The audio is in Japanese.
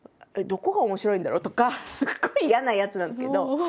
どこが面白いんだろう？とかすごい嫌なやつなんですけど。